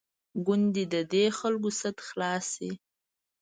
کوندي د دې خلکو سد خلاص شي.